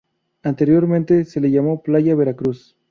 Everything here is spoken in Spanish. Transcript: Anteriormente se le llamó Playa Veracruz.